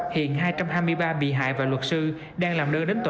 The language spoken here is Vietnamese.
hiện hai trăm hai mươi ba bị hại và luật sư đang làm đơn đến tòa